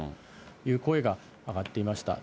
いう声が上がっていました。